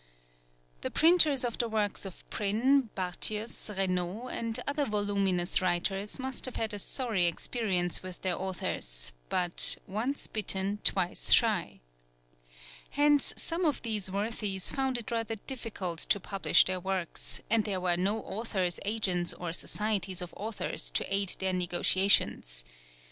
The printers of the works of Prynne, Barthius, Reynaud, and other voluminous writers must have had a sorry experience with their authors; but "once bitten twice shy." Hence some of these worthies found it rather difficult to publish their works, and there were no authors' agents or Societies of Authors to aid their negotiations.